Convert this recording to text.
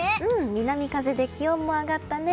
南風で気温も上がったね。